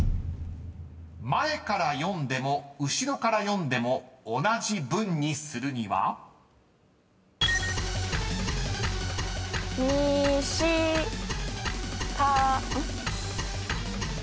［前から読んでも後ろから読んでも同じ文にするには？］にしたんっ？